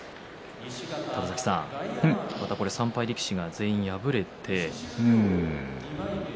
高崎さんまた３敗力士が全員敗れて。